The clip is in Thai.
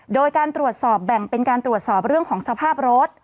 โดยการตรวจสอบแบ่งเป็นการตรวจสอบเรื่องของสภาพรถ